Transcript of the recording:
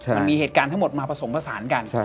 มันมีเหตุการณ์ทั้งหมดมาผสมผสานกัน